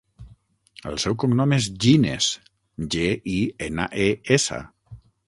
El seu cognom és Gines: ge, i, ena, e, essa.